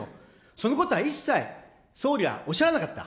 そのことは一切、総理はおっしゃらなかった。